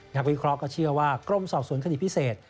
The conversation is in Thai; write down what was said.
นักวิเคราะห์ก็เชื่อว่ากรมศาสนคณิตพิเศษ